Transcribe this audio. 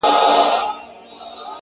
د شنو خالونو د ټومبلو کيسه ختمه نه ده ـ